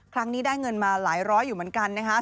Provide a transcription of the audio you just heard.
ครั้งนี้ได้เงินมาหลายร้อยอยู่เหมือนกันนะครับ